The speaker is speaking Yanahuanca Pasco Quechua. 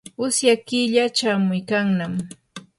usya killa chamuykannami.